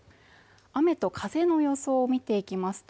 雨と風の予想を見ていきますと